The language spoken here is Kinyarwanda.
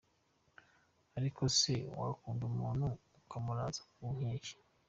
Ariko se wakunda umuntu ukamuraza ku nkeke?.